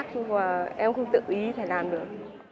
nhưng mà em không tự ý thể làm được